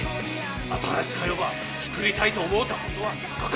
新しか世ば作りたいと思うたことはなかか？